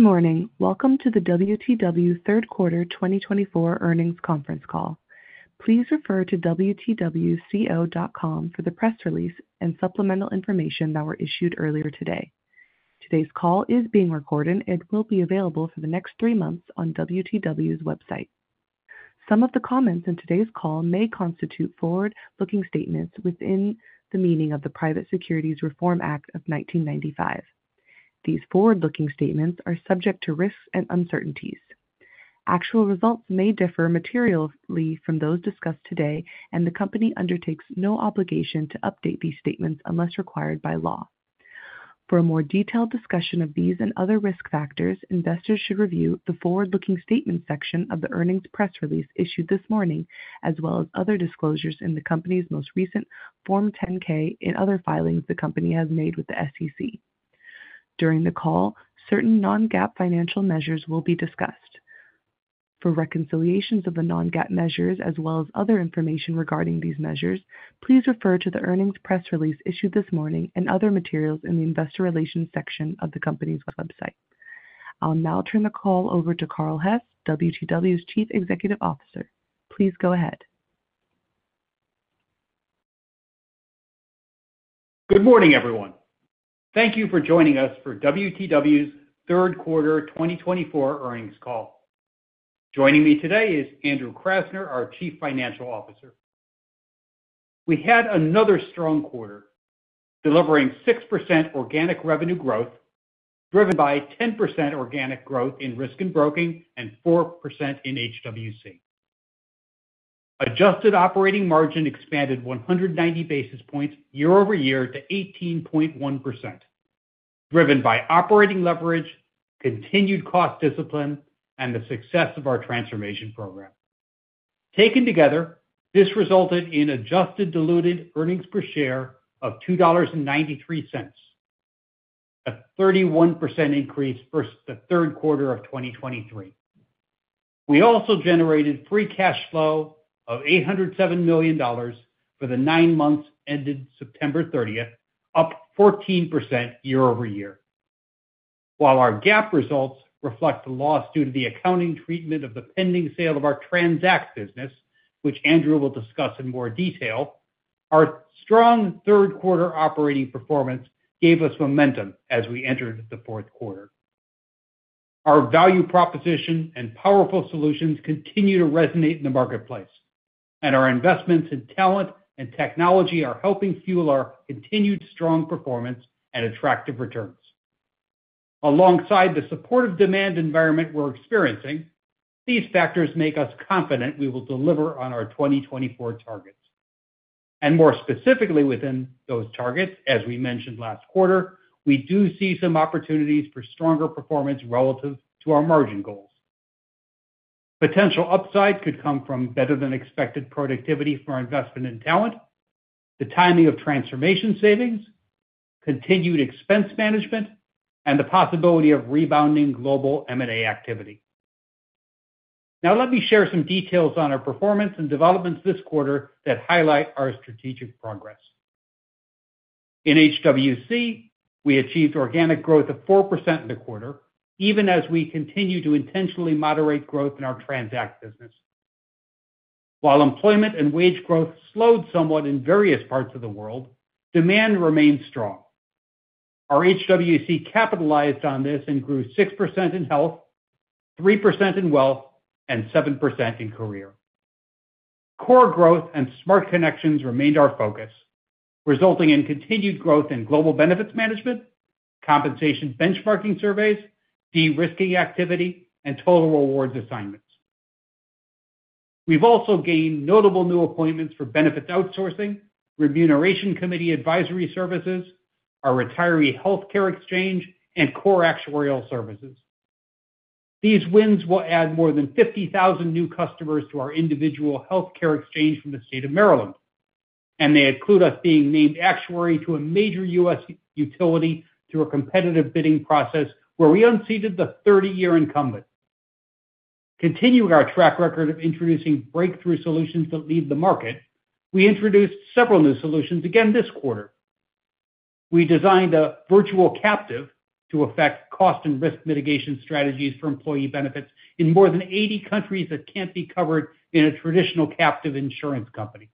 Good morning. Welcome to the WTW third quarter 2024 Earnings Conference Call. Please refer to wtwco.com for the press release and supplemental information that were issued earlier today. Today's call is being recorded and will be available for the next three months on WTW's website. Some of the comments in today's call may constitute forward-looking statements within the meaning of the Private Securities Litigation Reform Act of 1995. These forward-looking statements are subject to risks and uncertainties. Actual results may differ materially from those discussed today and the Company undertakes no obligation to update these statements unless required by law. For a more detailed discussion of these and other risk factors, investors should review the Forward-Looking Statements section of the earnings press release issued this morning, as well as other disclosures in the Company's most recent Form 10-K and other filings the company has made with the SEC. During the call, certain non-GAAP financial measures will be discussed. For reconciliations of the non-GAAP measures as well as other information regarding these measures, please refer to the earnings press release issued this morning and other materials in the Investor Relations section of the Company's website. I'll now turn the call over to Carl Hess, WTW's Chief Executive Officer. Please go ahead. Good morning everyone. Thank you for joining us for WTW's Third Quarter 2024 Earnings Call. Joining me today is Andrew Krasner, our Chief Financial Officer. We had another strong quarter delivering 6% organic revenue growth driven by 10% organic growth in risk and broking and 4% in HWC. Adjusted operating margin expanded 190 basis points year over year to 18.1% driven by operating leverage, continued cost discipline and the success of our transformation program. Taken together, this resulted in adjusted diluted earnings per share of $2.93, a 31% increase versus the third quarter of 2023. We also generated free cash flow of $807 million for the nine months ended September 30, up 14% year-over-year. While our GAAP results reflect the loss due to the accounting treatment of the pending sale of our TRANZACT business, which Andrew will discuss in more detail, our strong third quarter operating performance gave us momentum as we entered the fourth quarter. Our value proposition and powerful solutions continue to resonate in the marketplace and our Investments in talent and Technology are helping fuel our continued strong performance and attractive returns alongside the supportive demand environment we're experiencing. These factors make us confident we will deliver on our 2024 targets and more specifically within those targets. As we mentioned last quarter we do see some opportunities for stronger performance relative to our margin goals. Potential upside could come from better than expected productivity for investment in talent, the timing of transformation savings, continued expense management and the possibility of rebounding global M&A activity. Now let me share some details on our performance and developments this quarter that highlight our strategic progress in HWC. We achieved organic growth of 4% in the quarter even as we continue to intentionally moderate growth in our Transact business. While employment and wage growth slowed somewhat in various parts of the world, demand remained strong. Our HWC capitalized on this and grew 6% in Health, 3% in Wealth and 7% in Career Core growth and smart connections remained our focus resulting in continued growth in global benefits management, compensation benchmarking surveys, de-risking activity and total rewards assignments. We've also gained notable new appointments for benefits outsourcing, remuneration committee, advisory services, our retiree health care exchange and core actuarial services. These wins will add more than 50,000 new customers to our individual health care exchange from the State of Maryland, and they include us being named actuary to a major U.S. utility through a competitive bidding process where we unseated the 30-year incumbent. Continuing our track record of introducing breakthrough solutions that lead the market, we introduced several new solutions again this quarter. We designed a virtual captive to affect cost and risk mitigation strategies for employee benefits in more than 80 countries that can't be covered in a traditional captive insurance company.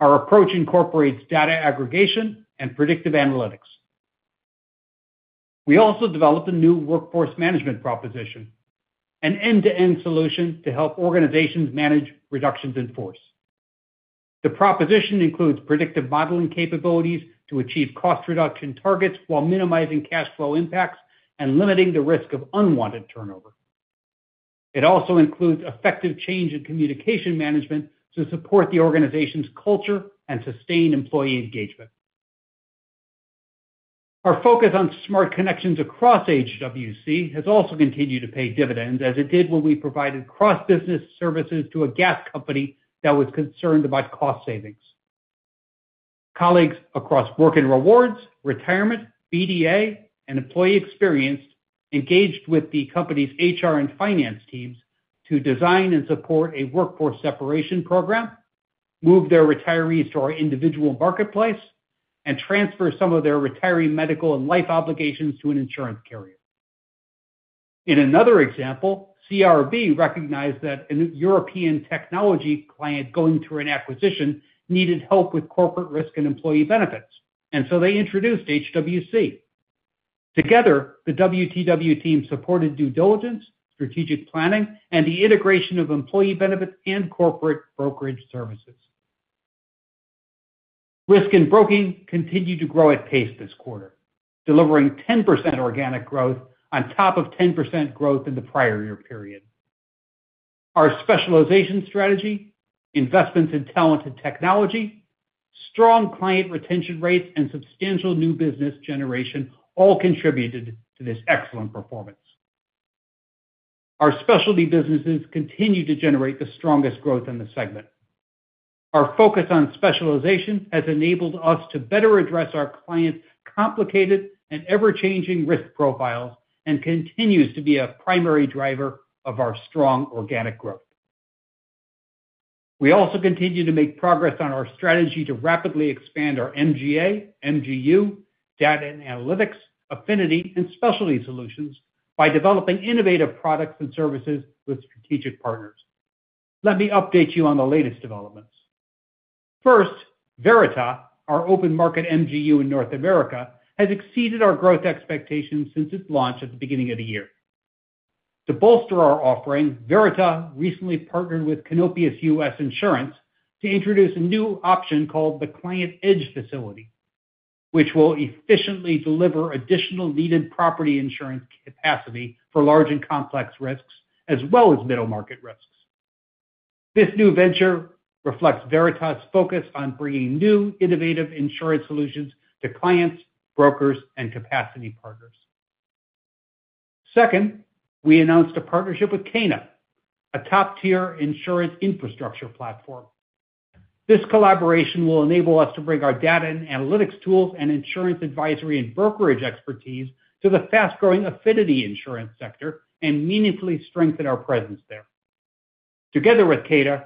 Our approach incorporates data aggregation and predictive analytics. We also developed a new workforce management proposition, an end-to-end solution to help organizations manage reductions in force. The proposition includes predictive modeling capabilities to achieve cost reduction targets while minimizing cash flow impacts and limiting the risk of unwanted turnover. It also includes effective change in communication management to support the organization's culture and sustain employee engagement. Our focus on smart connections across HWC has also continued to pay dividends as it did when we provided cross business services to a gas company that was concerned about cost savings. Colleagues across work and rewards, Retirement, BDO and Employee Experience engaged with the company's HR and finance teams to design and support a workforce separation program, move their retirees to our individual marketplace and transfer some of their retiree medical and life obligations to an insurance carrier. In another example, CRB recognized that a European technology client going through an acquisition needed help with corporate risk and employee benefits and so they introduced HWC. Together, the WTW team supported due diligence, strategic planning and the integration of employee benefits and corporate brokerage services. Risk and Broking continued to grow at pace this quarter delivering 10% organic growth on top of 10% growth in the prior year period. Our specialization strategy, investments in talented technology, strong client retention rates and substantial new business generation all contributed to this excellent performance. Our specialty businesses continue to generate the strongest growth in the segment. Our focus on specialization has enabled us to better address our clients complicated and ever changing risk profiles and continues to be a primary driver of our strong organic growth. We also continue to make progress on our strategy to rapidly expand our MGA MGU data and analytics, affinity and specialty solutions by developing innovative products and services with strategic partners. Let me update you on the latest developments. First, Verita, our open market MGU in North America has exceeded our growth expectations since its launch at the beginning of the year. To bolster our offering, Verita recently partnered with Canopius U.S. Insurance to introduce a new option called the Client Edge Facility which will efficiently deliver additional needed property insurance capacity for large and complex risks as well as middle market risks. This new venture reflects Verita's focus on bringing new innovative insurance solutions to clients, brokers and capacity partners. Second, we announced a partnership with Kayna, a top tier insurance infrastructure platform. This collaboration will enable us to bring our data and analytics tools and insurance advisory and brokerage expertise to the fast growing affinity insurance sector and meaningfully strengthen our presence there. Together with Kayna,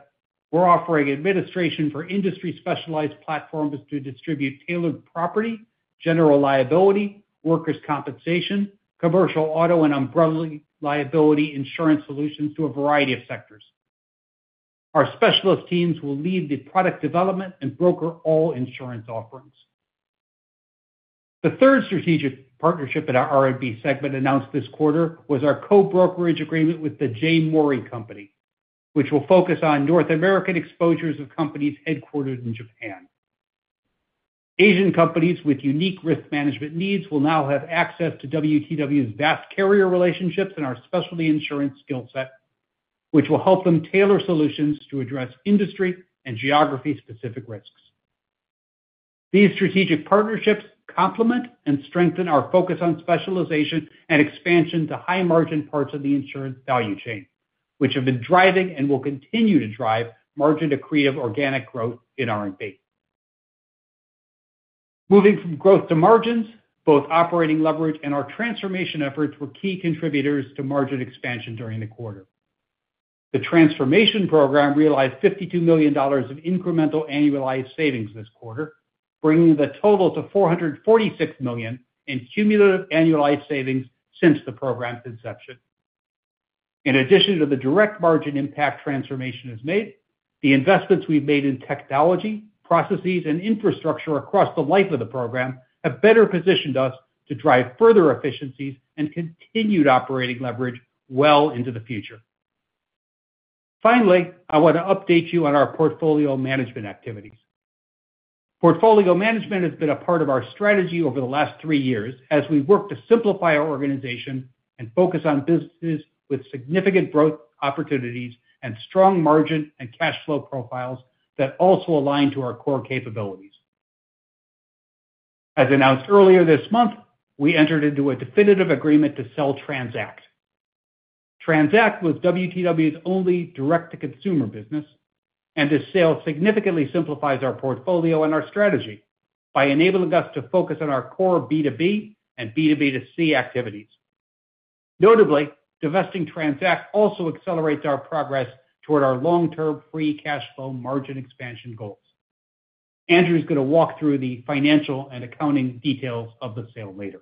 we're offering administration for industry specialized platforms to distribute tailored property, general liability, workers compensation, commercial, auto and umbrella liability insurance solutions to a variety of sectors. Our specialist teams will lead the product development and broker all insurance offerings. The third strategic partnership in our R&B Segment announced this quarter was our co-brokerage agreement with the J. Morey Company, which will focus on North American exposures of companies headquartered in Japan. Asian companies with unique risk management needs will now have access to WTW's vast carrier relationships and our specialty insurance skill set, which will help them tailor solutions to address industry- and geography-specific risks. These strategic partnerships complement and strengthen our focus on specialization and expansion to high-margin parts of the insurance value chain, which have been driving and will continue to drive the margin-accretive organic growth in R&B. Moving from Growth to Margins. Both operating leverage and our transformation efforts were key contributors to margin expansion during the quarter. The transformation program realized $52 million of incremental annualized savings this quarter, bringing the total to $446 million in cumulative annualized savings since the program's inception. In addition to the direct margin impact, transformation has made the investments we've made in technology, processes and infrastructure across the life of the program have better positioned us to drive further efficiencies and continued operating leverage well into the future. Finally, I want to update you on our portfolio management activities. Portfolio management has been a part of our strategy over the last three years as we work to simplify our organization and focus on businesses with significant growth opportunities and strong margin and cash flow profiles that also align to our core capabilities. As announced earlier this month, we entered into a definitive agreement to sell Transact. Transact was WTW's only direct to consumer business and this sale significantly simplifies our portfolio and our strategy by enabling us to focus on our core B2B and B2B2C activities. Notably, divesting Transact also accelerates our progress toward our long term free cash flow margin expansion goals. Andrew is going to walk through the financial and accounting details of the sale later.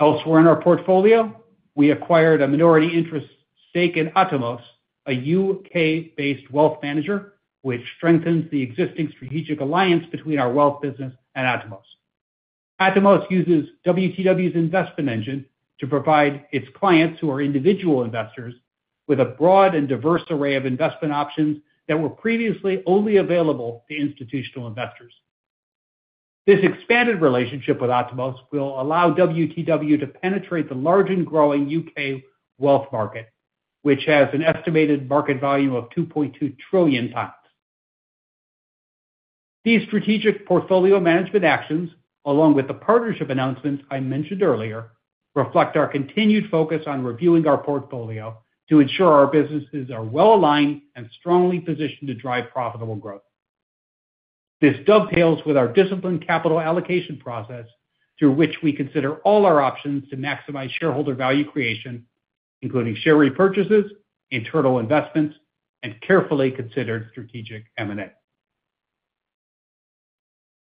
Elsewhere in our portfolio, we acquired a minority interest stake in Atomos, a U.K.-based wealth manager which strengthens the existing strategic alliance between our wealth business and Atomos. Atomos uses WTW's investment engine to provide its clients who are individual investors with a broad and diverse array of investment options that were previously only available to institutional investors. This expanded relationship with Atomos will allow WTW to penetrate the large and growing U.K. wealth market which has an estimated market volume of £2.2 trillion. These strategic portfolio management actions, along with the partnership announcements I mentioned earlier, reflect our continued focus on reviewing our portfolio to ensure our businesses are well aligned and strongly positioned to drive profitable growth. This dovetails with our disciplined capital allocation process through which we consider all our options to maximize shareholder value creation, including share repurchases, internal investments and carefully considered strategic M&A.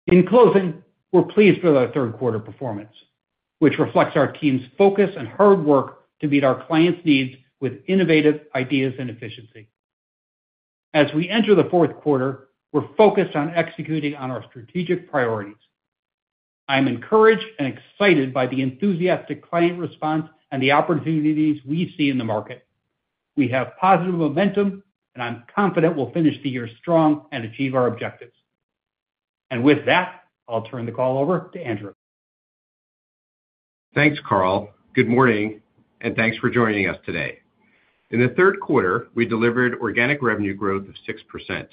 In closing, we're pleased with our third quarter performance which reflects our team's focus and hard work to meet our clients' needs with innovative ideas and efficiency. As we enter the fourth quarter, we're focused on executing on our strategic priorities. I'm encouraged and excited by the enthusiastic client response and the opportunities we see in the market. We have positive momentum and I'm confident we'll finish the year strong and achieve our objectives and with that I'll turn the call over to Andrew. Thanks Carl. Good morning and thanks for joining us today. In the third quarter we delivered organic revenue growth of 6%,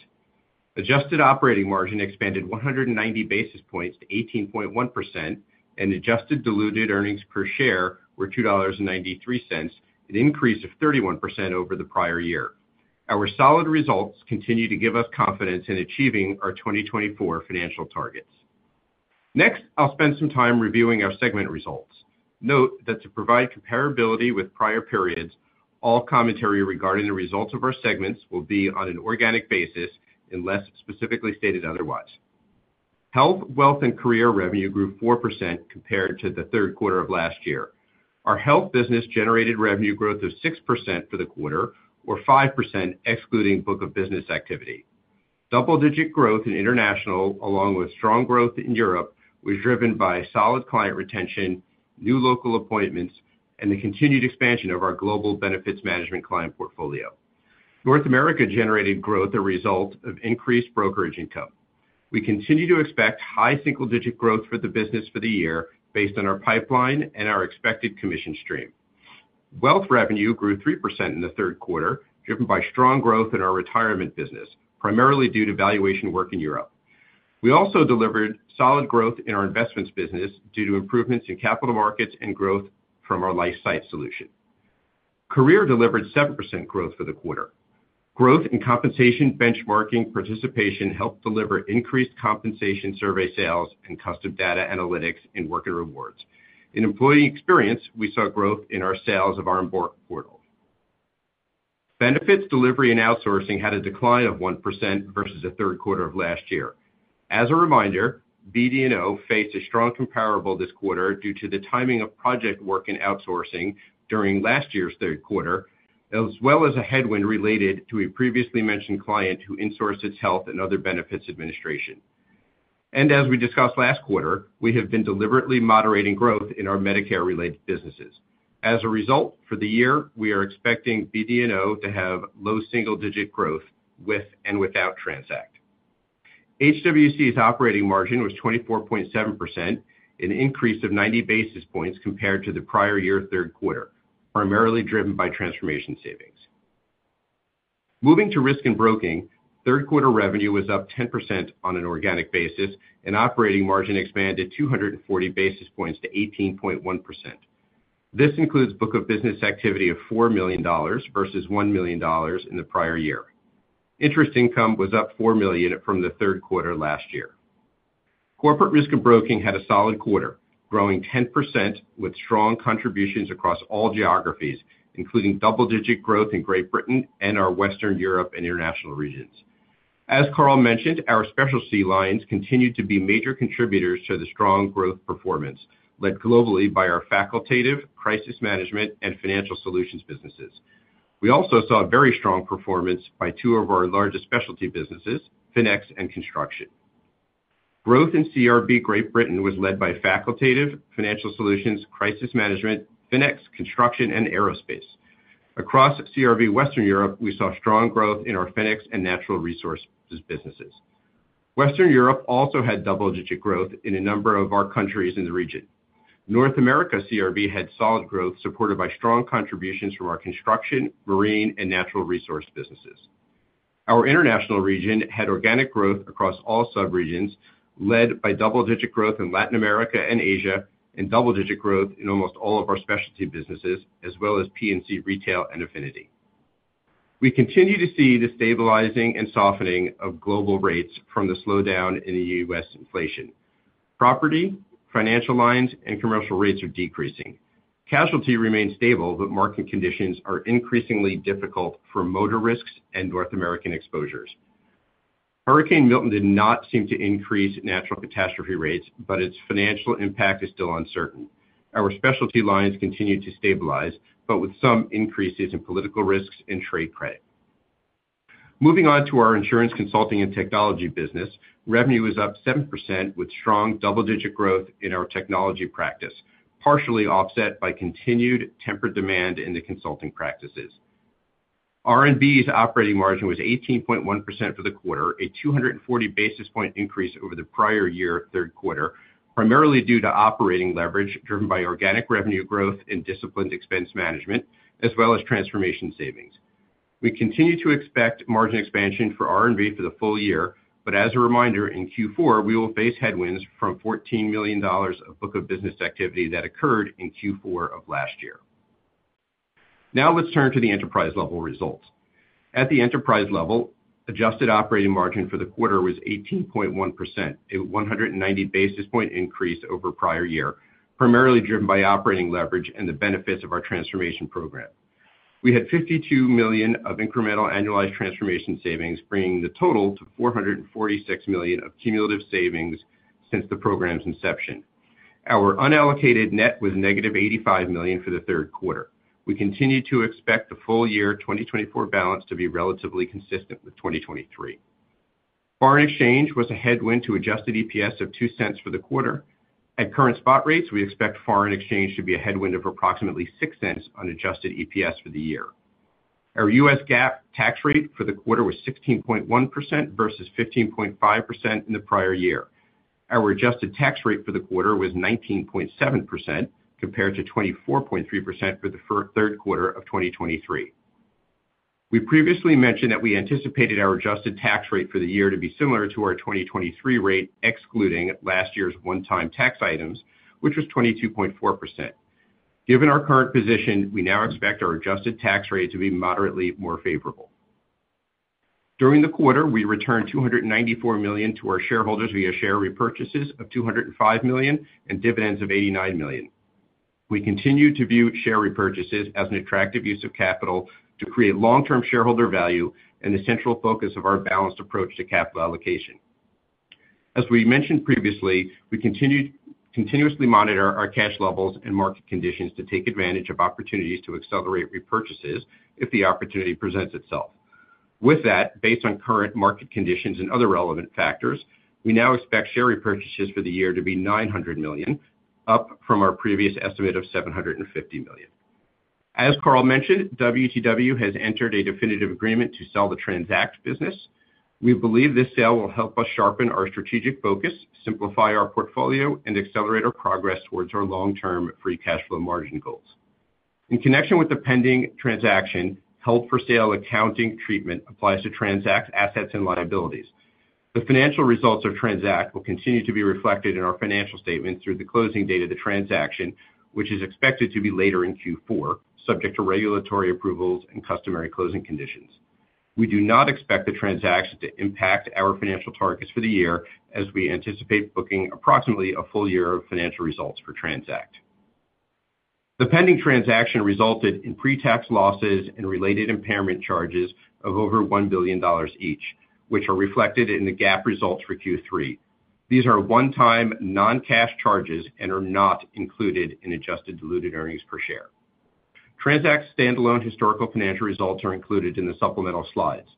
adjusted operating margin expanded 190 basis points to 18.1% and adjusted diluted earnings per share were $2.93, an increase of 31% over the prior year. Our solid results continue to give us confidence in achieving our 2024 financial targets. Next, I'll spend some time reviewing our segment results. Note that to provide comparability with prior periods, all commentary regarding the results of our segments will be on an organic basis unless specifically stated otherwise. Health, Wealth and Career revenue grew 4% compared to the third quarter of last year. Our health business generated revenue growth of 6% for the quarter or 5% excluding book of business activity. Double-digit growth in International along with strong growth in Europe was driven by solid client retention, new local appointments and the continued expansion of our global benefits management client portfolio. North America generated growth as a result of increased brokerage income. We continue to expect high single-digit growth for the business for the year based on our pipeline and our expected commission stream. Wealth revenue grew 3% in the third quarter driven by strong growth in our Retirement business primarily due to valuation work in Europe. We also delivered solid growth in our investments business due to improvements in capital markets and growth from our LifeSight solution. Career delivered 7% growth for the quarter. Growth in compensation benchmarking participation helped deliver increased compensation survey sales and custom data analytics in Work & Rewards. In employee experience, we saw growth in our sales of our Embark portal. Benefits Delivery and Outsourcing had a decline of 1% versus the third quarter of last year. As a reminder, BDO faced a strong comparable this quarter due to the timing of project work and outsourcing during last year's third quarter as well as a headwind related to a previously mentioned client who insourced its health and other benefits administration. And as we discussed last quarter, we have been deliberately moderating growth in our Medicare related businesses. As a result, for the year we are expecting BDO to have low single digit growth with and without Transact. HWC's operating margin was 24.7% and an increase of 90 basis points compared to the prior year. Third quarter primarily driven by transformation savings moving to Risk and Broking. Third quarter revenue was up 10% on an organic basis and operating margin expanded 240 basis points to 18.1%. This includes book of business activity of $4 million versus $1 million in the prior year. Interest income was up $4 million from the third quarter last year. Corporate Risk and Broking had a solid quarter growing 10% with strong contributions across all geographies including double digit growth in Great Britain and our Western Europe and international regions. As Carl mentioned, our specialty lines continued to be major contributors to the strong growth performance led globally by our Facultative, Crisis Management, and Financial Solutions businesses. We also saw very strong performance by two of our largest specialty businesses FINEX and Construction. Growth in CRB Great Britain was led by Facultative, Financial Solutions, Crisis Management, FINEX, Construction and Aerospace. Across CRB Western Europe we saw strong growth in our FINEX and Natural Resources businesses. Western Europe also had double digit growth in a number of our countries in the region. North America CRB had solid growth supported by strong contributions from our construction, Marine and Natural Resource businesses. Our international region had organic growth across all subregions led by double digit growth in Latin America and Asia and double digit growth in almost all of our specialty businesses as well as P&C, Retail and Affinity. We continue to see the stabilizing and softening of global rates from the slowdown in the U.S. inflation. Property, Financial Lines and commercial rates are decreasing. Casualty remains stable but market conditions are increasingly difficult for motor risks and North American exposures. Hurricane Milton did not seem to increase natural catastrophe rates, but its financial impact is still uncertain. Our specialty lines continue to stabilize but with some increases in Political Risks and Trade Credit. Moving on to our Insurance Consulting and Technology business. Revenue is up 7% with strong double digit growth in our technology practice partially offset by continued tempered demand in the consulting practices. R&B's operating margin was 18.1% for the quarter, a 240 basis point increase over the prior year third quarter primarily due to operating leverage driven by organic revenue growth and disciplined expense management as well as transformation savings. We continue to expect margin expansion for R&B for the full year, but as a reminder in Q4 we will face headwinds from $14 million of book of business activity that occurred in Q4 of last year. Now let's turn to the enterprise level results. At the enterprise level, adjusted operating margin for the quarter was 18.1%, a 190 basis point increase over prior year primarily driven by operating leverage and the benefits of our transformation program. We had 52 million of incremental annualized transformation savings, bringing the total to 446 million of cumulative savings since the program's inception. Our unallocated net was negative $85 million for the third quarter. We continue to expect the full year 2024 balance to be relatively consistent with 2023. Foreign exchange was a headwind to adjusted EPS of $0.02 for the quarter. At current spot rates, we expect foreign exchange to be a headwind of approximately $0.06 on adjusted EPS for the year. Our U.S. GAAP tax rate for the quarter was 16.1% versus 15.5% in the prior year. Our adjusted tax rate for the quarter was 19.7% compared to 24.3% for the third quarter of 2023. We previously mentioned that we anticipated our adjusted tax rate for the year to be similar to our 2023 rate excluding last year's one-time tax items which was 22.4%. Given our current position, we now expect our adjusted tax rate to be moderately more favorable. During the quarter we returned $294 million to our shareholders via share repurchases of $205 million and dividends of $89 million. We continue to view share repurchases as an attractive use of capital to create long-term shareholder value and the central focus of our balanced approach to capital allocation. As we mentioned previously, we continuously monitor our cash levels and market conditions to take advantage of opportunities to accelerate repurchases and if the opportunity presents itself with that based on current market conditions and other relevant factors, we now expect share repurchases for the year to be $900 million, up from our previous estimate of $750 million. As Carl mentioned, WTW has entered a definitive agreement to sell the Transact business. We believe this sale will help us sharpen our strategic focus, simplify our portfolio and accelerate our progress towards our long-term free cash flow margin goals. In connection with the pending transaction, held-for-sale accounting treatment applies to Transact's assets and liabilities. The financial results of Transact will continue to be reflected in our financial statements through the closing date of the transaction, which is expected to be later in Q4, subject to regulatory approvals and customary closing conditions. We do not expect the transaction to impact our financial targets for the year as we anticipate booking approximately a full year of financial results for Transact. The pending transaction resulted in pre-tax losses and related impairment charges of over $1 billion each, which are reflected in the GAAP results for Q3. These are one-time non-cash charges and are not included in adjusted diluted earnings per share. Transact's standalone historical financial results are included in the supplemental slides.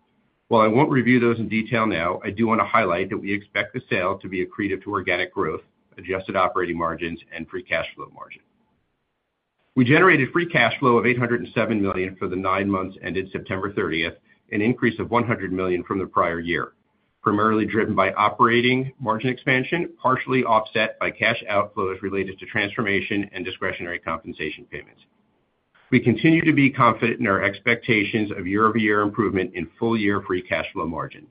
While I won't review those in detail now, I do want to highlight that we expect the sale to be accretive to organic growth, adjusted operating margins and free cash flow margin. We generated free cash flow of $807 million for the nine months ended September 30, an increase of $100 million from the prior year primarily driven by operating margin expansion, partially offset by cash outflows related to transformation and discretionary compensation payments. We continue to be confident in our expectations of year-over-year improvement in full-year free cash flow margin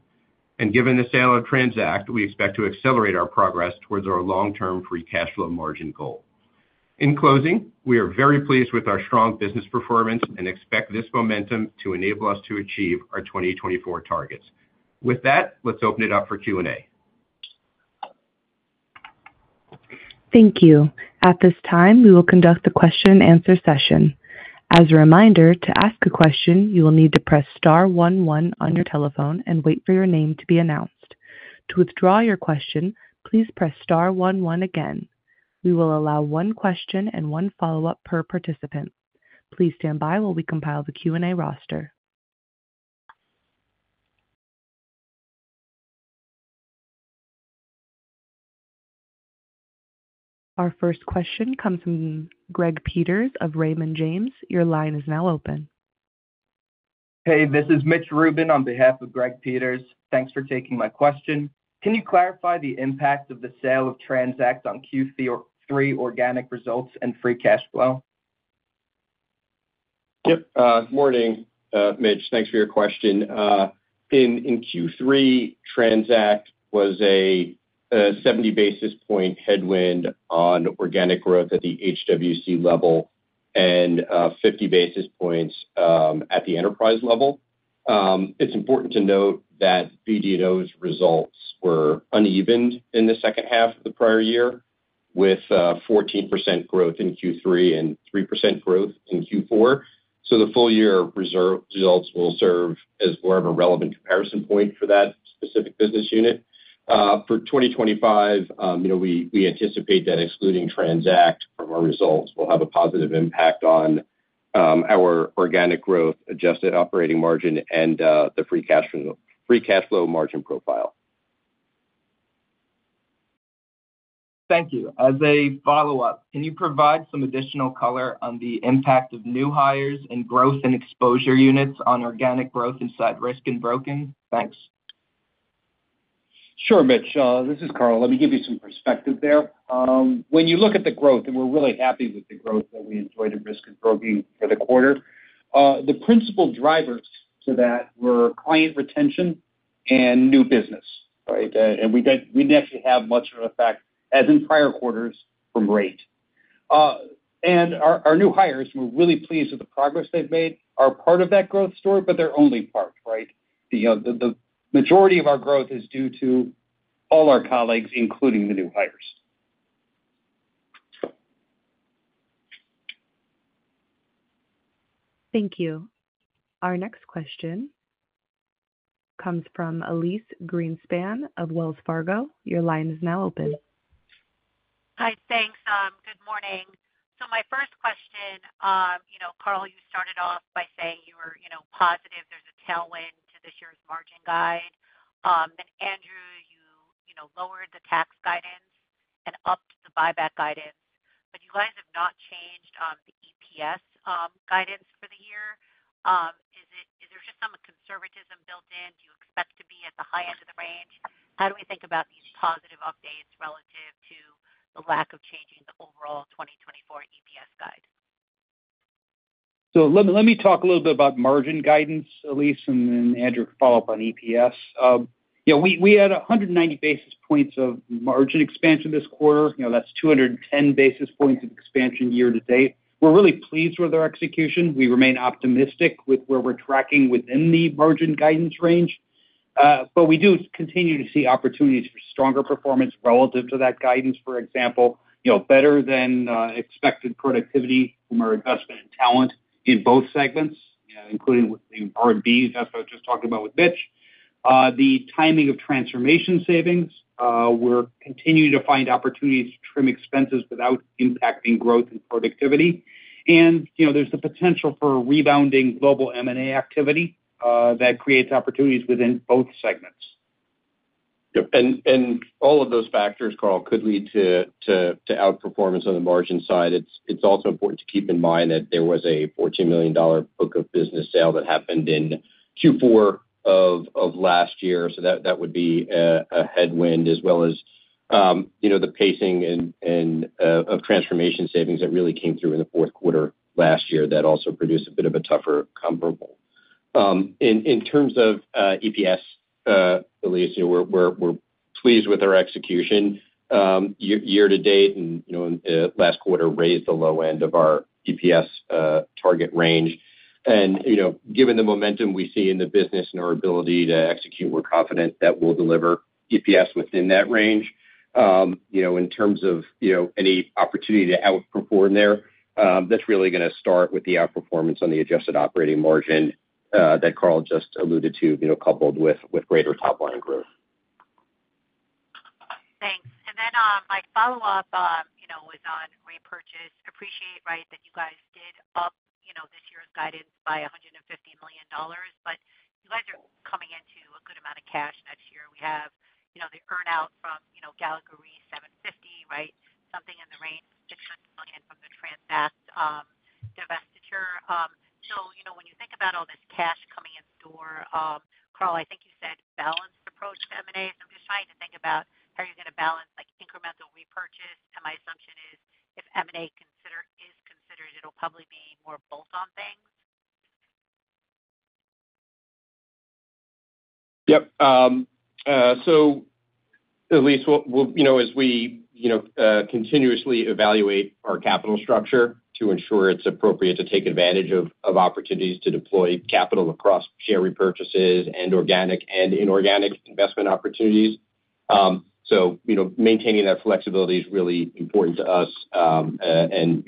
and given the sale of Transact, we expect to accelerate our progress towards our long-term free cash flow margin goal. In closing, we are very pleased with our strong business performance and expect this momentum to enable us to achieve our 2024 targets. With that, let's open it up for Q and A. Thank you. At this time, we will conduct the question and answer session. As a reminder to ask a question, you will need to press star one one on your telephone and wait for your name to be announced. To withdraw your question, please press star one one again. We will allow one question and one follow up per participant. Please stand by while we compile the Q and A roster. Our first question comes from Greg Peters of Raymond James. Your line is now open. Hey, this is Mitch Rubin. On behalf of Greg Peters, thanks for taking my question. Can you clarify the impact of the sale of Transact on Q3 organic results and free cash flow? Yep. Morning, Mitch. Thanks for your question. In Q3, Transact was a 70 basis points headwind on organic growth at the HWC level and 50 basis points at the enterprise level. It's important to note that BDO's results were uneven in the second half of the prior year with 14% growth in Q3 and 3% growth in Q4. So the full year results will serve as more of a relevant comparison point for that specific business unit for 2025. We anticipate that excluding Transact from our results will have a positive impact on our organic growth adjusted operating margin and the free cash flow margin profile. Thank you. As a follow up, can you provide some additional color on the impact of new hires and growth and exposure units on organic growth inside Risk and Broking? Thanks. Sure. Mitch, this is Carl. Let me give you some perspective there. When you look at the growth and we're really happy with the growth that we enjoyed at Risk and Broking for the quarter. The principal drivers to that were client retention and new business. Right. And we didn't actually have much of an effect as in prior quarters from rate. And our new hires were really pleased with the progress they've made as part of that growth story. But they're only part. Right. The majority of our growth is due to all our colleagues, including the new hires. Thank you. Our next question comes from Elyse Greenspan of Wells Fargo. Your line is now open. Hi. Thanks. Good morning. So my first question. You know, Carl, you started off by saying you were, you know, positive there's a tailwind to this year's margin guide. Andrew, you lowered the tax guidance and upped the buyback guidance, but you guys have not changed the EPS guidance. For the year, is there just some conservatism built-in? Do you expect to be at the high end of the range? How do we think about these positive updates relative to the lack of changing the overall 2024 EPS guide? So let me talk a little bit about margin guidance. Elyse and then Andrew, follow up on EPS. You know we had 190 basis points of margin expansion this quarter. You know that's 210 basis points of expansion year to date. We're really pleased with our execution. We remain optimistic with where we're tracking within the margin guidance range. But we do continue to see opportunities for stronger performance relative to that guidance. For example, you know better than expected productivity from our investment in talent in both segments including with the R&B. That's what I was just talking about with Mitch, the timing of Transformation Savings. We're continuing to find opportunities to trim expenses without impacting growth and productivity. And there's the potential for rebounding global M&A activity that creates opportunities within both segments. All of those factors, Carl, could lead to outperformance on the margin side. It's also important to keep in mind that there was a $14 million book of business sale that happened in Q4 of last year. So that would be a headwind as well as the pacing of transformation savings that really came through in the fourth quarter last year that also produced a bit of a tougher comparable in terms of EPS. Elyse, we're pleased with our execution year to date and last quarter raised the low end of our adjusted EPS target range. You know, given the momentum we see in the business and our ability to execute, we're confident that we'll deliver EPS within that range. You know, in terms of, you know, any opportunity to outperform there. That's really going to start with the outperformance on the adjusted operating margin that Carl just alluded to. You know, coupled with greater top line growth. Thanks. And then my follow-up, you know, was on purchase price. Appreciate, right, that you guys did up this year's guidance by $150 million but you guys are coming into a good amount of cash next year. We have the earnout from Gallagher $750 million right? Something in the range $600 million from the Transact divestiture. So when you think about all this cash coming in store, Carl, I think you said balanced approach to M&As. I'm deciding to think about are you going to balance like incremental repurchase. And my assumption is if M&A is considered, it'll probably be more bolt-on things. Yep. So, Elyse, you know, as we, you know, continuously evaluate our capital structure to ensure it's appropriate to take advantage of opportunities to deploy capital across share repurchases and organic and inorganic investment opportunities, so maintaining that flexibility is really important to us, and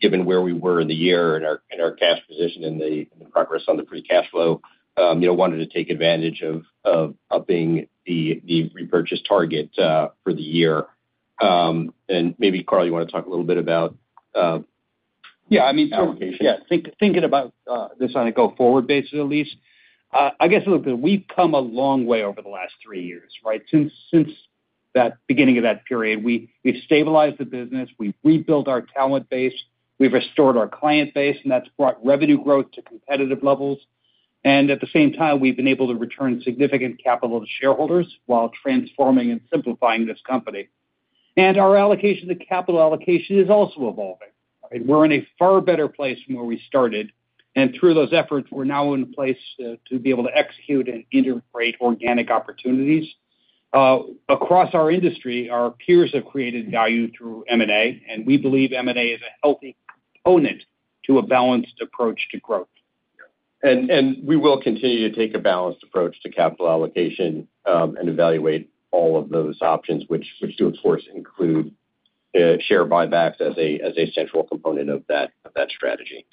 given where we were in the year and our cash position and the progress on the free cash flow, wanted to take advantage of upping the repurchase target for the year, and maybe, Carl, you want to talk a little bit about. Yeah, I mean, thinking about this on a go forward basis at least, I guess we've come a long way over the last three years. Right. Since the beginning of that period, we've stabilized the business, we rebuilt our talent base, we've restored our client base and that's brought revenue growth to competitive levels. And at the same time, we've been able to return significant capital to shareholders while transforming and simplifying this company. And our allocation to capital allocation is also evolving. We're in a far better place than where we started. And through those efforts, we're now in place to be able to execute and integrate organic opportunities across our industry. Our peers have created value through M&A and we believe M&A is a healthy component to a balanced approach to growth. We will continue to take a balanced approach to capital allocation and evaluate all of those options which do of course include share buybacks as a central component of that strategy.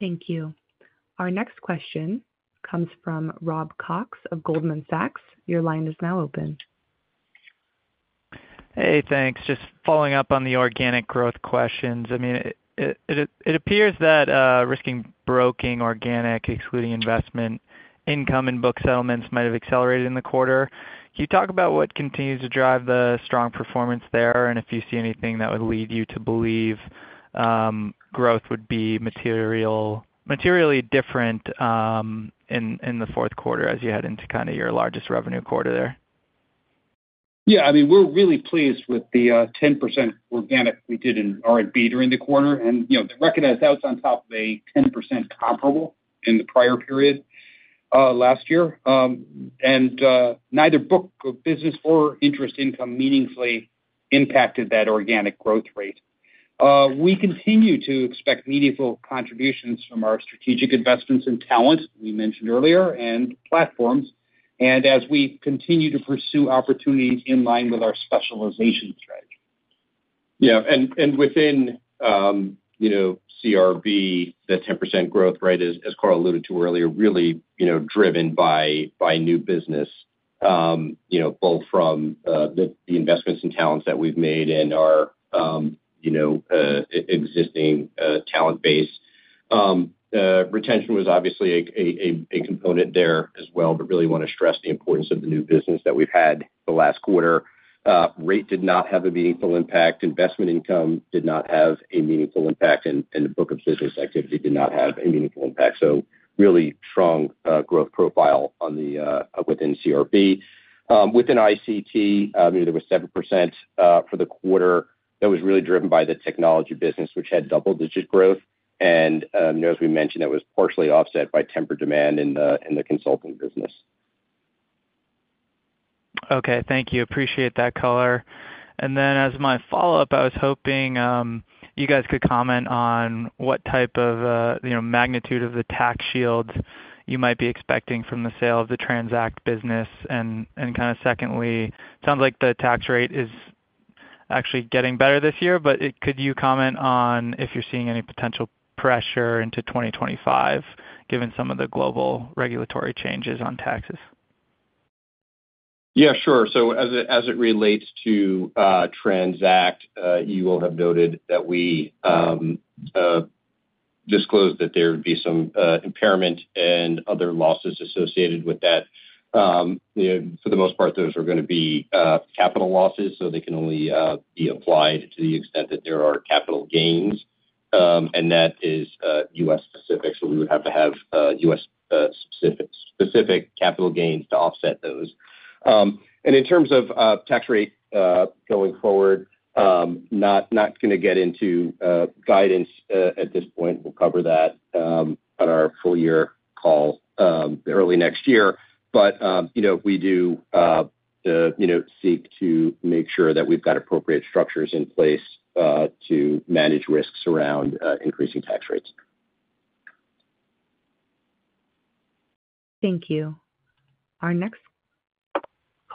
Thank you. Our next question comes from Rob Cox of Goldman Sachs. Your line is now open. Hey, thanks. Just following up on the organic growth questions. It appears that Risk and Broking organic, excluding investment income and book of business, might have accelerated in the quarter. Can you talk about what continues to drive the strong performance there? And if you see anything that would lead you to believe growth would be materially different in the fourth quarter as you head into kind of your largest revenue quarter there? Yeah, I mean, we're really pleased with the 10% organic we did in R and B during the quarter and you know, recognized that was on top of a 10% comparable in the prior period last year. And neither book of business or interest income meaningfully impacted that organic growth rate. We continue to expect meaningful contributions from our strategic investments in talent we mentioned earlier and platforms and as we continue to pursue opportunities in line with our specialization strategy. Yeah, and within CRB, the 10% growth rate is, as Carl alluded to earlier, really driven by new business, you know, both from the investments in talents that we've made in our, you know, existing talent base. Retention was obviously a component there as well. But really want to stress the importance of the new business that we've had the last quarter. Rate did not have a meaningful impact. Investment income did not have a meaningful impact and the book of business activity did not have a meaningful impact. So really strong growth profile within CRB, within ICT there was 7% for the quarter. That was really driven by the technology business which had double digit growth and as we mentioned that was partially offset by tempered demand in the consulting business. Okay, thank you. Appreciate that. Color. And then as my follow up, I was hoping you guys could comment on what type of magnitude of the tax shield you might be expecting from the sale of the Transact business and kind of. Secondly, it sounds like the tax rate is actually getting better this year. But could you comment on if you're seeing any potential pressure into 2025 given some of the global regulatory changes on taxes? Yeah, sure. So as it relates to Transact, you will have noted that we disclose that there would be some impairment and other losses associated with that. For the most part those are going to be capital losses. So they can only be applied to the extent that there are capital gains and that is U.S. specific. So we would have to have U.S. specific capital gains to offset those. And in terms of tax rate going forward, not going to get into guidance at this point. We'll cover that on our full year call early next year. But you know, we do, you know, seek to make sure that we've got appropriate structures in place to manage risks around increasing tax rates. Thank you. Our next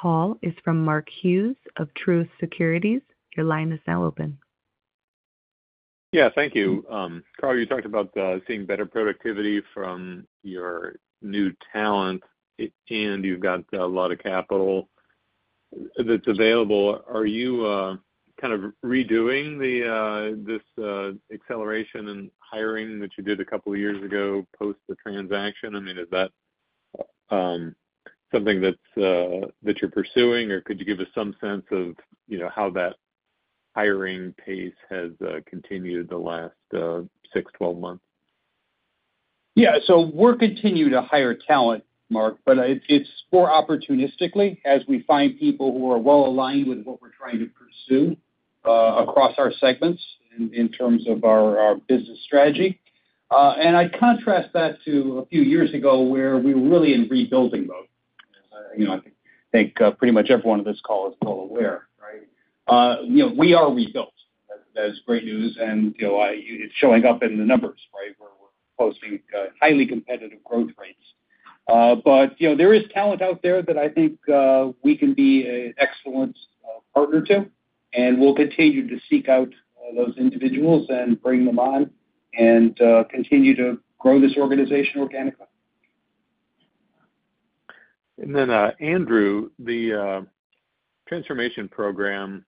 call is from Mark Hughes of Truist Securities. Your line is now open. Yeah, thank you. Carl, you talked about seeing better productivity from your new talent and you've got a lot of capital that's available. Are you kind of redoing this acceleration and hiring that you did a couple few years ago post transaction? I mean, is that something that you're pursuing, or could you give us some sense of, you know, how that hiring pace has continued in the last six to 12 months? Yeah, so we're continuing to hire talent, Mark, but it's more opportunistically as we find people who are well aligned with what we're trying to pursue across our segments in terms of our business strategy. And I contrast that to a few years ago where we were really in rebuilding mode. I think pretty much everyone on this call is still aware we are rebuilt. That is great news. And it's showing up in the numbers. We're posting highly competitive growth rates, but there is talent out there that I think we can be an excellent partner to. And we'll continue to seek out those individuals and bring them on and continue to grow this organization organically. And then, Andrew, the transformation program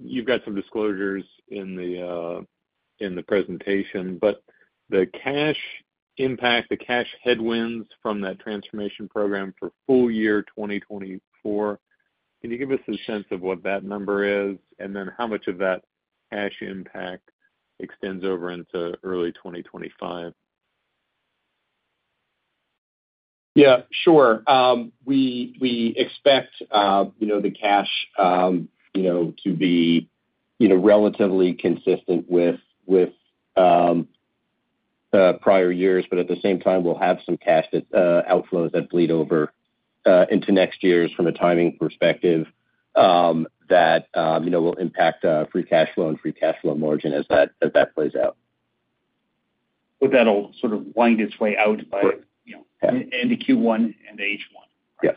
you've got some disclosures in the presentation. But the cash impact, the cash headwinds from that transformation program for full year 2020. Can you give us a sense of what that number is and then how much of that cash impact extends over into early 2025? Yeah, sure. We expect the cash to be relatively consistent with prior years, but at the same time we'll have some cash outflows that bleed over into next year's. From a timing perspective that will impact free cash flow and free cash flow margin as that plays out. But that'll sort of wind its way out by end of Q1 and H1.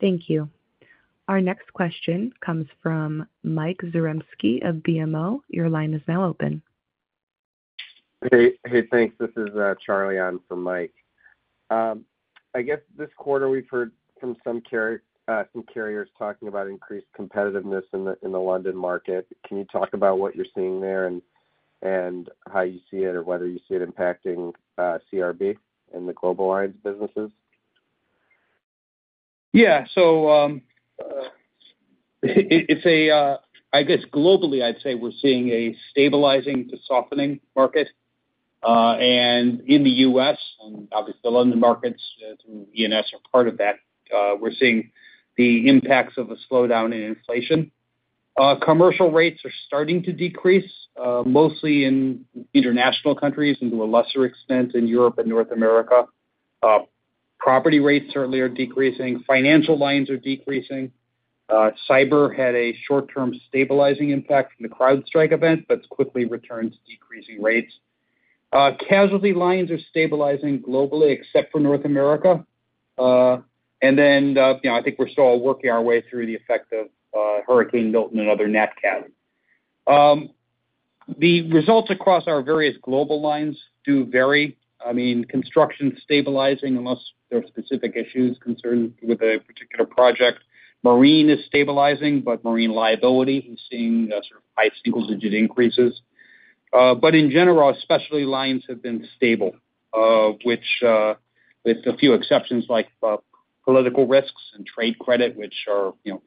Thank you. Our next question comes from Mike Zaremski of BMO. Your line is now open. Hey, thanks. This is Charlie on for Mike. I guess this quarter we've heard from some carriers talking about increased competitiveness in the London market. Can you talk about what you're seeing there and how you see it or whether you see it impacting CRB and the global lines businesses? Yeah, so it's a, I guess globally I'd say we're seeing a stabilizing to softening market and in the U.S. and obviously London markets through E&S are part of that. We're seeing the impacts of a slowdown in inflation. Commercial rates are starting to decrease mostly in international countries and to a lesser extent in Europe and North America. Property rates certainly are decreasing. Financial lines are decreasing. Cyber had a short term stabilizing impact from the CrowdStrike event but quickly returned to decreasing rates. Casualty lines are stabilizing globally except for North America. And then I think we're still working our way through the effect of Hurricane Milton and other natcats. The results across our various global lines do vary. I mean construction stabilizing, unless there are specific issues concerned with a particular project marine is stabilizing, but marine liability, we're seeing sort of high single-digit increases. But in general, specialty lines have been stable, which, with a few exceptions like political risks and trade credit, which are, you know,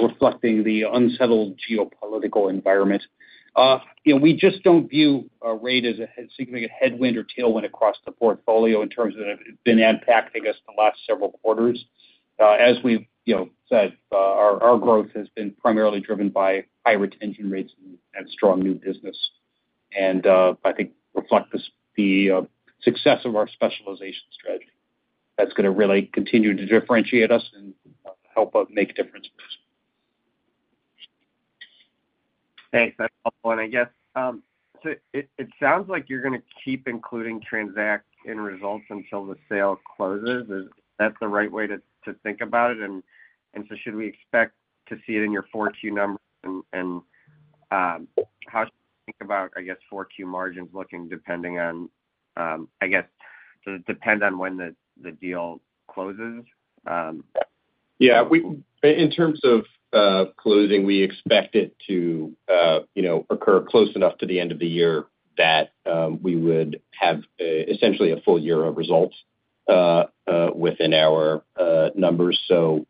reflecting the unsettled geopolitical environment. You know, we just don't view rates as a significant headwind or tailwind across the portfolio in terms of being impacting us the last several quarters. As we said, our growth has been primarily driven by high retention rates and strong new business and I think reflect the success of our specialization strategy that's going to really continue to differentiate us and help make differences. Thanks, that's helpful. And I guess it sounds like you're going to keep including Transact in results until the sale closes that's the right way to think about it and so, should we expect to see it's in your 4Q number and how should we think about, I guess, 4Q margins looking depending on, I guess, does it depend on when the deal closes? Yeah, in terms of closing, we expect it to occur close enough to the end of the year that we would have essentially a full year of results within our numbers. So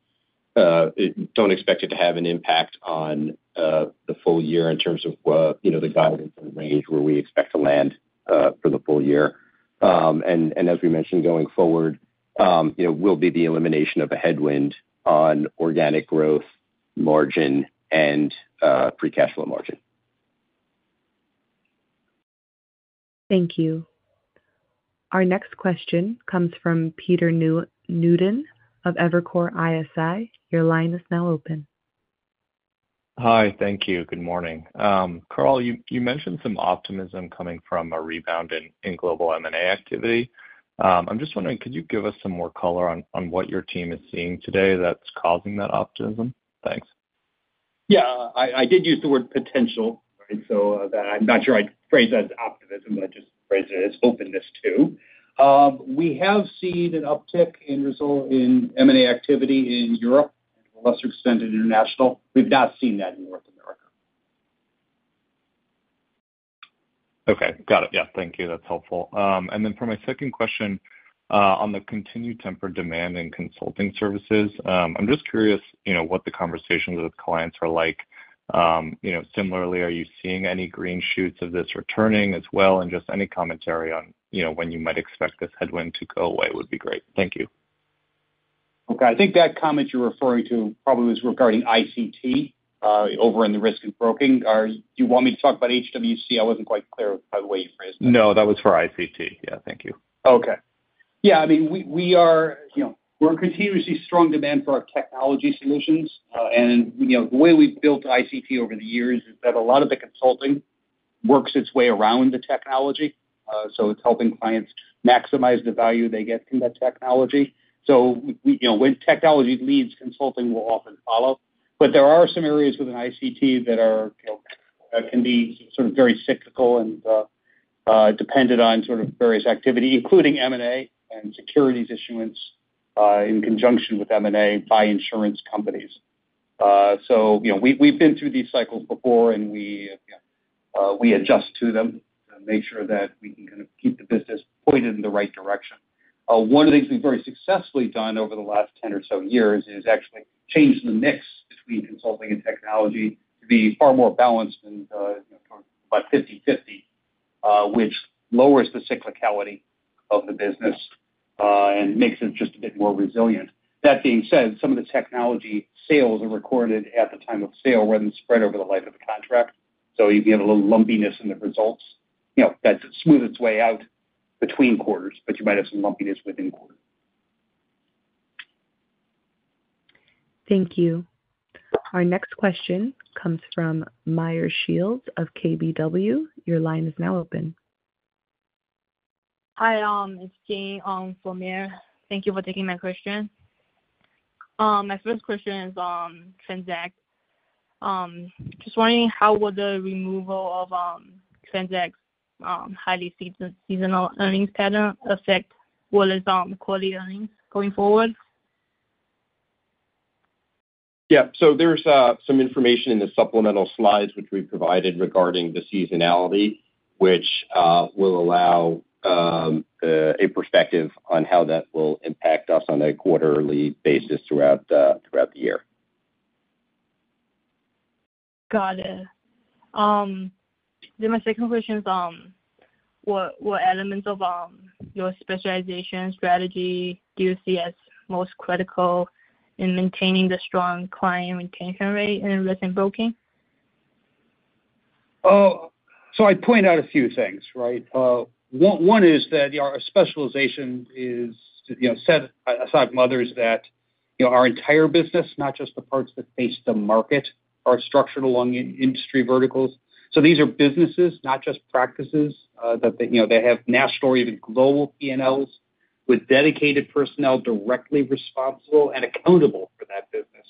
don't expect it to have an impact on the full year in terms of the guidance and range. Where we expect to land for the full year and as we mentioned going forward will be the elimination of a headwind on organic growth margin and free cash flow margin. Thank you. Our next question comes from Peter Newton of Evercore ISI. Your line is now open. Hi. Thank you. Good morning. Carl you mentioned some optimism coming from a rebound in global M&A activity. I'm just wondering, could you give us some more color on what your team seeing today that's causing that optimism? Thanks. Yeah, I did use the word potential, so I'm not sure I'd phrase that as optimism, but just phrase it as openness too. We have seen an uptick in M&A activity in Europe and to a lesser extent in international. We've not seen that in North America. Okay, got it. Yeah, thank you, that's helpful. And then for my second question on the continued tempered demand in consulting services, I'm just curious, you know, what the conversations with clients are like, you know, similarly, are you seeing any green shoots of this returning as well? And just any commentary on, you know, when you might expect this headwind to go away would be great. Thank you. Okay. I think that comment you're referring to probably was regarding ICT. Over in the Risk and Broking, do you want me to talk about HWC? I wasn't quite clear by the way you phrased it. No, that was for ICT. Yeah. Thank you. Okay. Yeah, I mean we are, you know, we're continuously strong demand for our technology solutions and you know, the way we've built ICT over the years, that a lot of the consulting works its way around the technology. So it's helping clients maximize the value they get from that technology. So when technology leads, consulting will often follow. But there are some areas with an ICT that can be sort of very cyclical and dependent on sort of various activity, including M and A and securities issuance in conjunction with M and A by insurance companies. So we've been through these cycles before and we adjust to them to make sure that we can keep the business pointed in the right direction. One of the things we've very successfully done over the last 10 or so years is actually change the mix between consulting and technology to be far more balanced. About 50-50, which lowers the cyclicality of the business and makes it just a bit more resilient. That being said, some of the technology sales are recorded at the time of sale rather than spread over the life of the contract. So you have a little lumpiness in the results. You know, that smooths its way out between quarters, but you might have some lumpiness within quarters. Thank you. Our next question comes from Meyer Shields of KBW. Your line is now open. Hi, it's Meyer Shields. Thank you for taking my question. My first question is Transact. Just wondering how will the removal of Transact's highly seasonal earnings pattern affect what is on quarterly earnings going forward? Yeah, so there's some information in the supplemental slides which we provided regarding the seasonality which will allow a perspective on how that will impact us on a quarterly basis throughout the year. Got it. Then my second question is what elements of your specialization strategy do you see as most critical in maintaining the strong client retention rate and Risk and Broking? So I point out a few things, right? One is that our specialization is set aside from others that our entire business, not just the parts that face the market, are structured along industry verticals. So these are businesses, not just practices. They have national or even global P&Ls with dedicated personnel directly responsible and accountable for that business.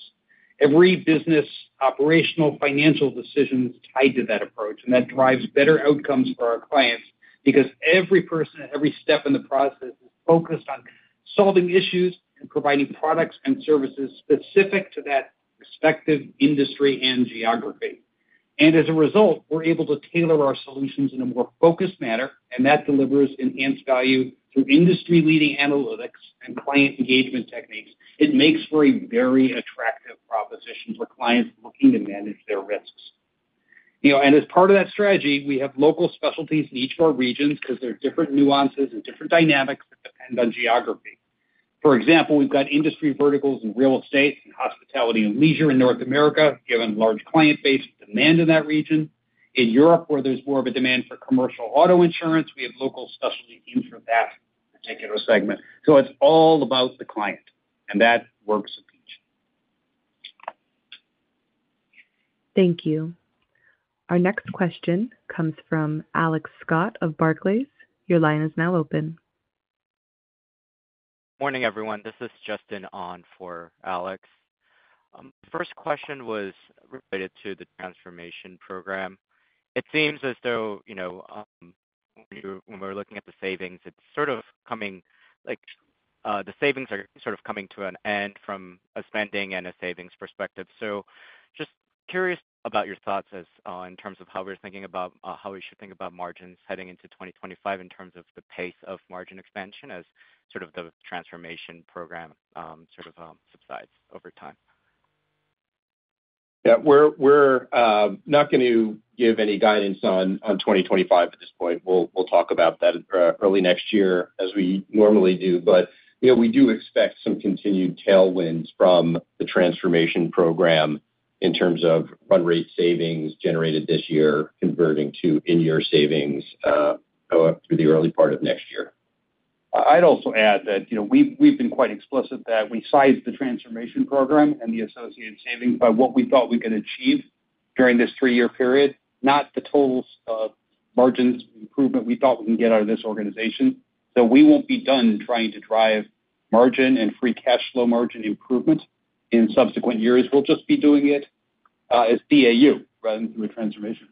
Every business operational financial decision is tied to that approach and that drives better outcomes for our clients because every person at every step in the process is focused on solving issues and providing products and services specific to that respective industry and geography. And as a result, we're able to tailor our solutions in a more focused manner and that delivers enhanced value through industry leading analytics and client engagement techniques. It makes for a very attractive product proposition for clients looking to manage their risks. As part of that strategy, we have local specialties in each of our regions because there are different nuances and different dynamics that depend on geography. For example, we've got industry verticals in real estate and hospitality and leisure in North America given large client base demand in that region. In Europe, where there's more of a demand for commercial auto insurance, we have local specialty teams for that particular segment. So it's all about the client. And that works a piece. Thank you. Our next question comes from Alex Scott of Barclays. Your line is now open. Morning everyone. This is Justin on for Alex. First question was related to the transformation program. It seems as though, you know, when we're looking at the savings it's sort of coming like the savings are sort of coming to an end from a spending and a savings perspective. So just curious about your thoughts in terms of how we're thinking about how we should think about margins heading into 2025 in terms of the pace of margin expansion as sort of the transformation program sort of subsides over time. We're not going to give any guidance on 2025 at this point. We'll talk about next year as we normally do. But we do expect some continued tailwinds from the transformation program in terms of run rate savings generated this year, converting to in-year savings through the early part of next year. I'd also add that we've been quite explicit that we sized the transformation program and the associated savings by what we thought we could achieve during this three-year period, not the total margins improvement we thought we can get out of this organization. So we won't be done trying to drive margin and free cash flow margin improvement in subsequent years. We'll just be doing it as BAU rather than through a transformation.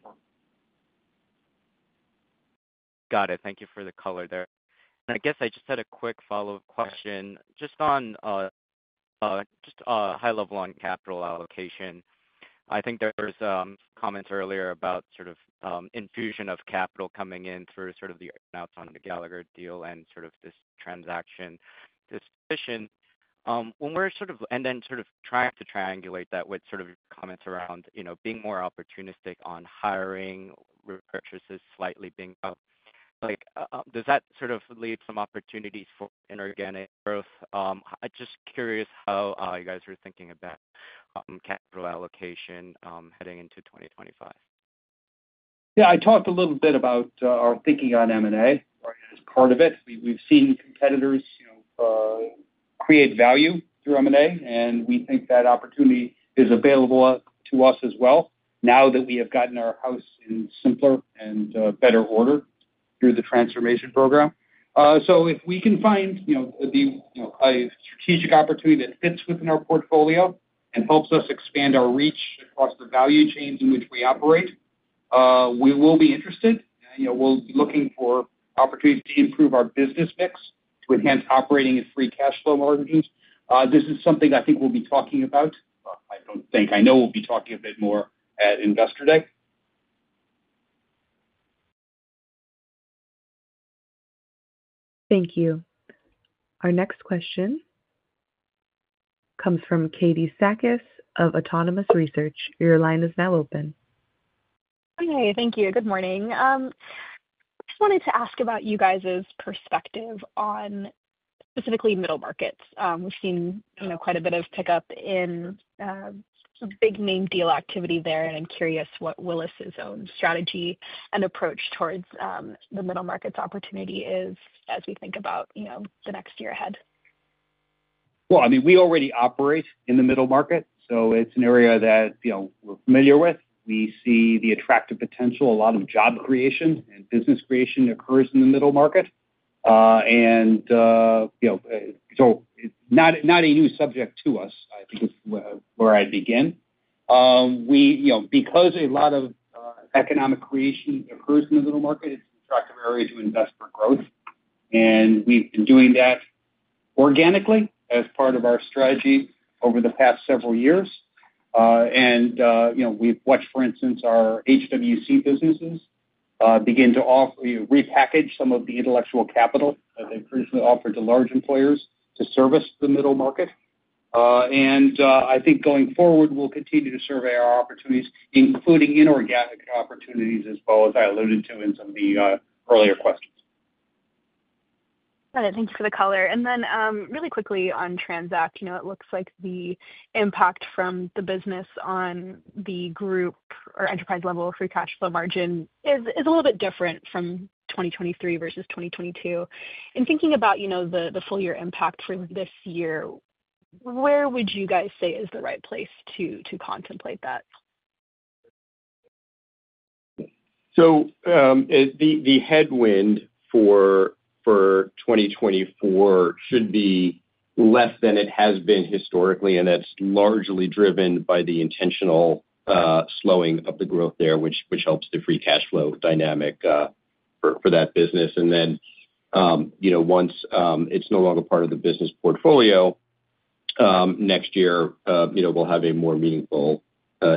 Got it. Thank you for the color there. I guess I just had a quick follow-up question just on just high level on capital allocation. I think there's comments earlier about sort of infusion of capital coming in through sort of the earnouts on the Gallagher deal and sort of this transaction when we're sort of and then sort of trying to triangulate that with sort of comments around, you know, being more opportunistic on hiring repurchases slightly being up like does that sort of leave some opportunities for inorganic growth? I'm just curious how you guys are thinking about capital allocation heading into 2025. Yeah, I talked a little bit about our thinking on M&A as part of it. We've seen competitors create value through M&A and we think that opportunity is available to us as well now that we have gotten our house in simpler and better order through the transformation program. So if we can find a strategic opportunity that fits within our portfolio and helps us expand our reach across the value chains in which we operate, we will be interested. We'll be looking for opportunities to improve our business mix to enhance operating and free cash flow margins. This is something I think we'll be talking about. I don't think. I know we'll be talking a bit more at Investor Day. Thank you. Our next question comes from Katie Sakys of Autonomous Research. Your line is now open. Hi. Thank you. Good morning. I just wanted to ask about you guys' perspective on specifically middle markets. We've seen quite a bit of pickup in big name deal activity there and I'm curious what Willis's own strategy and approach towards the middle market's opportunity is as we think about the next year ahead. I mean we already operate in the middle market so it's an area that we're familiar with. We see the attractive potential. A lot of job creation and business creation occurs in the middle market and so not a new subject to us. I think, you know, because a lot of economic creation occurs in the middle market. It's an attractive area to invest for growth and we've been doing that organically as part of our strategy over the past several years. And you know, we've watched for instance our HWC businesses begin to repackage some of the intellectual capital that they previously offered to large employers to service the middle market. And I think going forward we'll continue to survey our opportunities, including inorganic opportunities as well as I alluded to in some of the earlier questions. Got it. Thank you for the color. And then really quickly on Transact, you know, it looks like the impact from the business on the group or enterprise level, free cash flow margin is a little bit different from 2023 versus 2022. And thinking about, you know, the full year impact for this year, where would you guys say is the right place to contemplate that? The headwind for 2024 should be less than it has been historically. That's largely driven by the intentional slowing of the growth there which helps the free cash flow dynamic for that business. Once it's no longer part of the business portfolio next year we'll have a more meaningful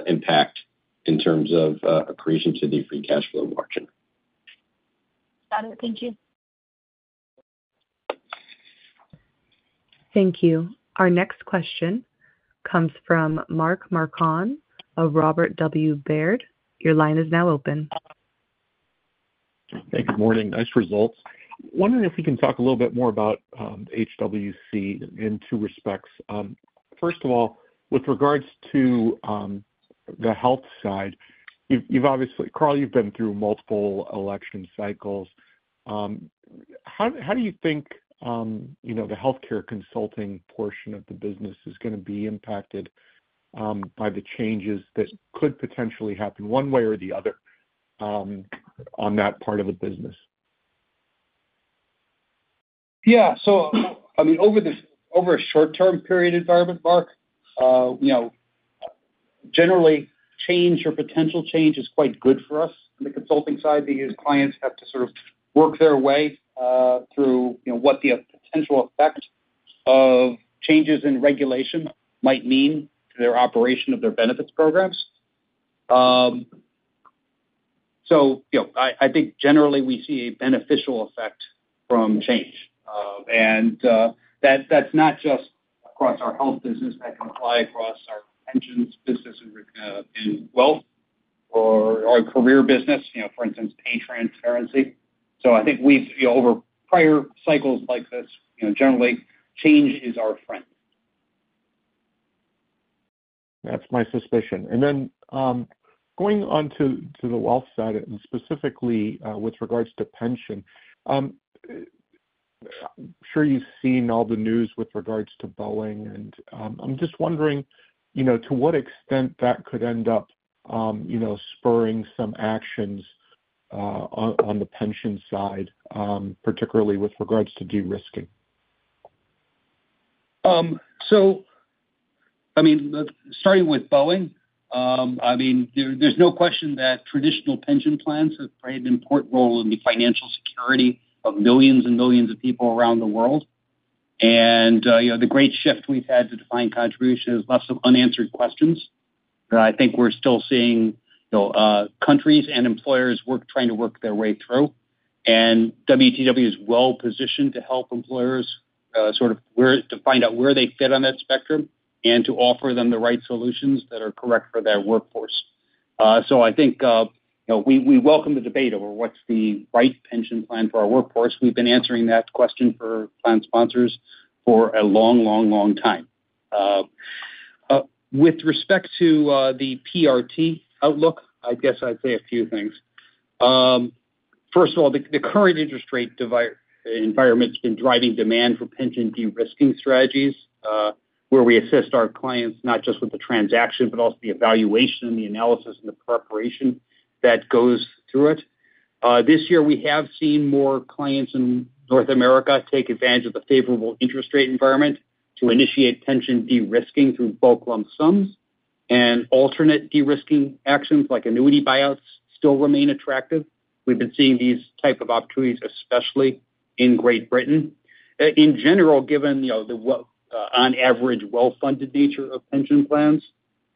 impact in terms of accretion to the free cash flow margin. Got it. Thank you. Thank you. Our next question comes from Mark Marcon of Robert W. Baird. Your line is now open. Thank you. Good morning. Nice results. Wondering if we can talk a little bit more about HWC in two respects. First of all with regards to the health side, you've obviously, Carl, you've been through multiple election cycles. How do you think the healthcare consulting portion of the business is going to be impacted by the changes that could potentially happen one way or the other on that part of a business? Yeah, so I mean over a short-term period environment, Mark, you know, generally change or potential change is quite good for us on the consulting side because clients have to sort of work their way through what the potential effect of changes in regulation might mean to their operation of their benefits programs. So I think generally we see a beneficial effect from change and that's not just across our health business, that can apply across our pensions business and wealth or our career business, for instance, pay transparency. So I think we've over prior cycles like this, generally change is our friend. That's my suspicion. Then going on to the wealth side and specifically with regards to pension, I'm sure you've seen all the news with regards to Boeing, and I'm just wondering to what extent that could end up spurring some actions on the pension side, particularly with regards to de-risking. I mean, starting with Boeing, I mean there's no question that traditional pension plans have played an important role in the financial security of millions and millions of people around the world. You know, the great shift we've had to defined contribution is less of unanswered questions. I think we're still seeing countries and employers trying to work their way through, and WTW is well positioned to help employers sort of to find out where they fit on that spectrum and to offer them the right solutions that are correct for their workforce. So I think we welcome the debate over what's the right pension plan for our workforce. We've been answering that question for plan sponsors for a long, long, long time. With respect to the PRT outlook, I guess I'd say a few things. First of all, the current interest rate environment's been driving demand for pension de-risking strategies where we assist our clients not just with the transaction, but also the evaluation and the analysis and the preparation that goes through it. This year we have seen more clients in North America take advantage of the favorable interest rate environment to initiate pension de-risking through bulk lump sums and alternative de-risking actions like annuity buyouts still remain attractive. We've been seeing these type of opportunities, especially in Great Britain in general, given the on average well funded nature of pension plans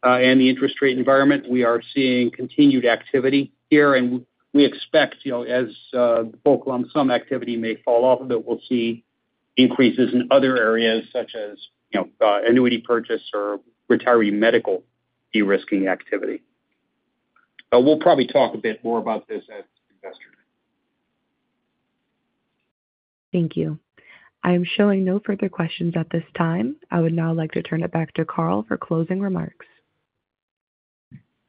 and the interest rate environment. We are seeing continued activity and we expect as bulk annuity activity may fall off of it. We'll see increases in other areas such as annuity purchase or retiree medical de-risking activity. We'll probably talk a bit more about this as investors. Thank you. I am showing no further questions at this time. I would now like to turn it back to Carl for closing remarks.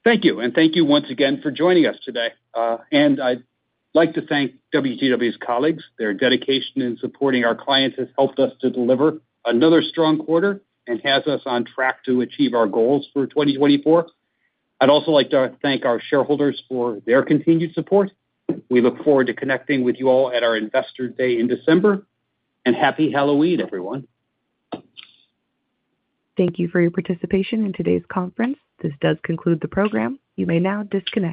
Thank you and thank you once again for joining us today. I'd like to thank WTW's colleagues. Their dedication in supporting our clients has helped us to deliver another strong quarter and has us on track to achieve our goals for 2024. I'd also like to thank our shareholders for their continued support. We look forward to connecting with you all at our Investor Day in December. Happy Halloween, everyone. Thank you for your participation in today's conference. This does conclude the program. You may now disconnect.